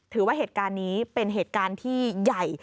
ถือว่าเหตุการณ์นี้เป็นเหตุการณ์ที่ใหญ่